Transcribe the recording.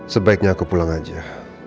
sebaiknya aku pulang aja